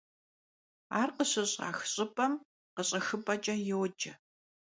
Ar khışış'ax ş'ıp'em khış'exıp'eç'e yoce.